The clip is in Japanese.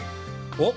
おっ！